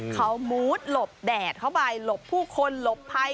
เขามูดหลบแดดเข้าไปหลบผู้คนหลบภัย